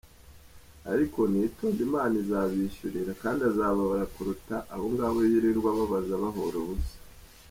Ariko niyitonde Imana izabishyurira kandi azababara kuruta abo ngabo yirirwa ababaza abahora ubusa.